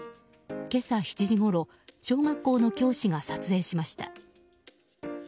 今朝７時ごろ小学校の教師が撮影しました。